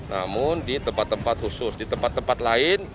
namun di tempat tempat khusus di tempat tempat lain